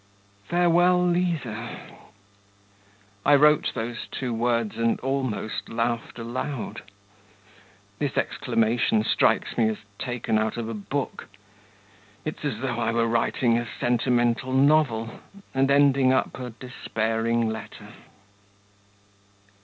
Farewell, Liza! I wrote those two words, and almost laughed aloud. This exclamation strikes me as taken out of a book. It's as though I were writing a sentimental novel and ending up a despairing letter....